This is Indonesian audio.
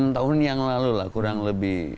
lima enam tahun yang lalu kurang lebih